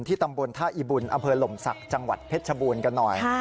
ตำบลท่าอิบุญอำเภอหล่มศักดิ์จังหวัดเพชรชบูรณ์กันหน่อย